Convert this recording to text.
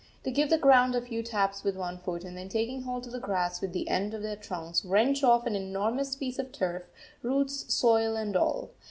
They give the ground a few taps with one foot, and then taking hold of the grass with the end of their trunks wrench off an enormous piece of turf, roots, soil, and all.